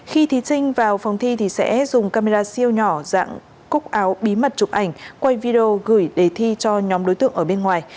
khi thí sinh vào phòng thi thì sẽ dùng camera siêu nhỏ dạng cúc áo bí mật chụp ảnh quay video gửi đề thi cho nhóm đối tượng ở bên ngoài